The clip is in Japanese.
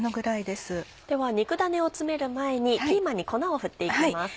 では肉ダネを詰める前にピーマンに粉を振って行きます。